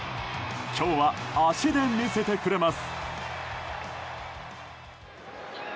今日は足で魅せてくれます。